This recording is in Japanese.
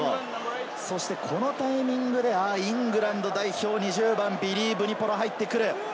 このタイミングでイングランド代表に１０番ビリー・ヴニポラが入ってくる。